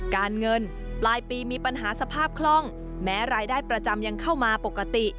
การเงินปลายปีมีปัญหาสภาพคล่องแม้รายได้ประจำยังเข้ามาปกติ